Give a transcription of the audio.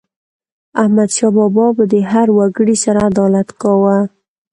احمدشاه بابا به د هر وګړي سره عدالت کاوه.